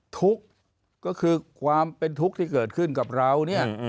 ทุกข์ก็คือความเป็นทุกข์ที่เกิดขึ้นกับเราเนี่ย